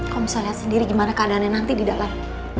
kamu bisa lihat sendiri gimana keadaannya nanti di dalam